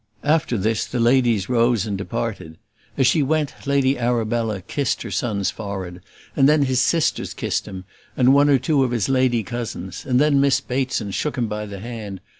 After this the ladies rose and departed. As she went, Lady Arabella, kissed her son's forehead, and then his sisters kissed him, and one or two of his lady cousins; and then Miss Bateson shook him by the hand.